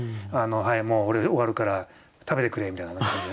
「はいもう俺終わるから食べてくれ」みたいな感じでね。